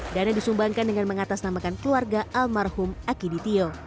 dana disumbangkan dengan mengatasnamakan keluarga almarhum akiditio